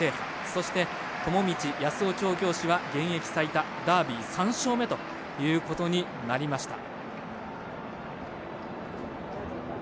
そして、友道康夫調教師は現役最多、ダービー３勝目ということになりました。